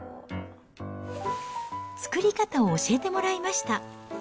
作り方を教えてもらいました。